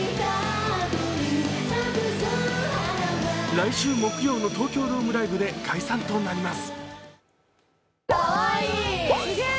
来週木曜の東京ドームライブで解散となります。